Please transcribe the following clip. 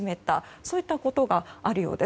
そういったことがあるようです。